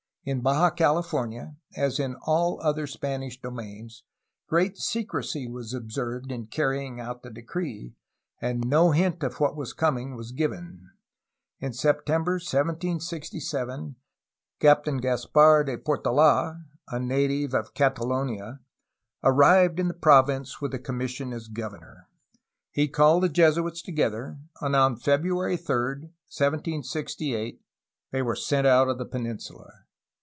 In Baja California, as in all other Spanish domains, great secrecy was observed in carrying out the decree, and no hint of what was coming was given. In September 1767 Captain Caspar de Portola (a native of Catalonia) arrived in the province with a commission as governor. He called the Jesuits together, and on February 3, 1768, they were sent out of the peninsula.